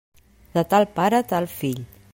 De tal pare, tal fill.